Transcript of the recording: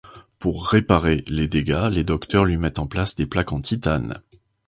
Pour réparer, les dégâts les docteurs lui mettent en place des plaques en titane.